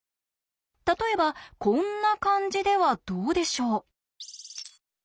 例えばこんな感じではどうでしょう？